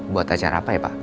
buat acara apa ya pak